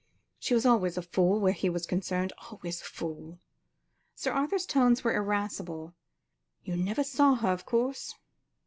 She was always a fool where he was concerned, always a fool." Sir Arthur's tones were irascible; "you never saw her, of course?"